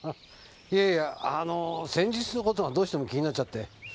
いやいやあの先日の事がどうしても気になっちゃって。